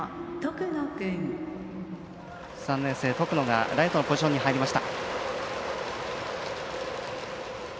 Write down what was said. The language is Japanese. ３年生、徳野がライトのポジションに入りました。